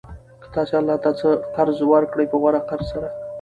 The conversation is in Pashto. كه تاسي الله ته څه قرض ورکړئ په غوره قرض سره